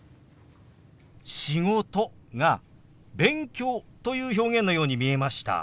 「仕事」が「勉強」という表現のように見えました。